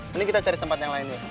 mending kita cari tempat yang lain yuk